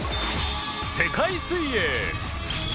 世界水泳！